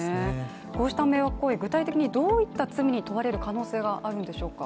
こうした迷惑行為、具体的にどういった罪に問われる可能性があるんでしょうか。